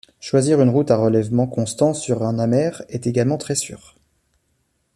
Choisir une route à relèvement constant sur un amer est également très sûr.